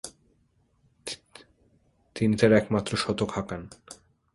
তিনি তার একমাত্র শতক হাঁকান।